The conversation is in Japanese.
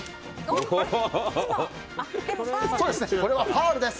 これはファウルです。